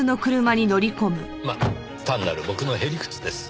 まあ単なる僕の屁理屈です。